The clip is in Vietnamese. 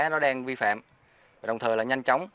nó đang vi phạm và đồng thời là nhanh chóng